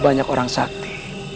banyak orang sakti